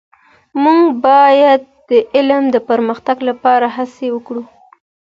موږ باید د علم د پرمختګ لپاره هڅې وکړو.